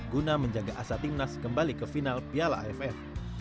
guna menjaga asa timnas kembali ke final piala aff